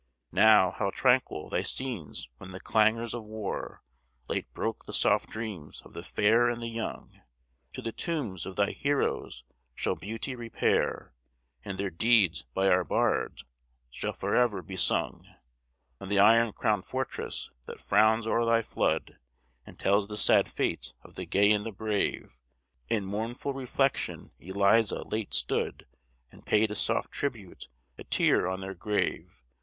Now, how tranquil thy scenes when the clangors of war Late broke the soft dreams of the fair and the young! To the tombs of thy heroes shall beauty repair, And their deeds by our bards shall forever be sung. On the iron crown'd fortress "that frowns o'er thy flood," And tells the sad fate of the gay and the brave, In mournful reflection Eliza late stood, And paid a soft tribute a tear on their grave.